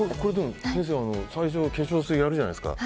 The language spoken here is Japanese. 先生、最初化粧水やるじゃないですか。